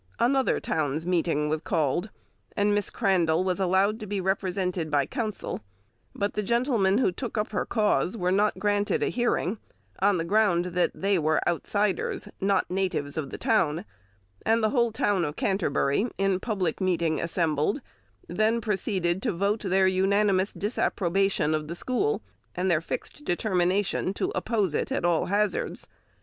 Another town's meeting was called, and Miss Crandall was allowed to be represented by counsel, but the gentlemen who took up her cause were not granted a hearing, on the ground that they were outsiders, not natives of the town, and the whole of Canterbury, in public meeting assembled, then proceeded to vote their unanimous disapprobation of the school, and their fixed determination to oppose it at all hazards.